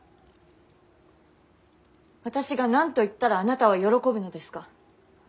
私が何と言ったらあなたは喜ぶのですか。